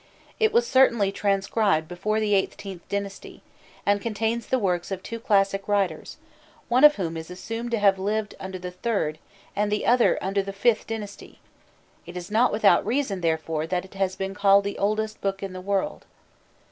It was certainly transcribed before the XVIIIth dynasty, and contains the works of two classic writers, one of whom is assumed to have lived under the IIIrd and the other under the Vth dynasty; it is not without reason, therefore, that it has been called "the oldest book in the world."